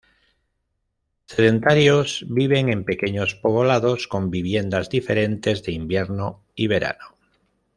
Sedentarios, viven en pequeños poblados, con viviendas diferentes de invierno y verano.